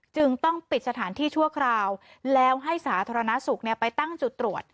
จึงต้องปิดสถานที่ชั่วคราวแล้วให้สาธารณสุขไปตั้งจุดตรวจ